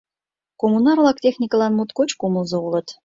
Коммунар-влак техникылан моткоч кумылзо улыт!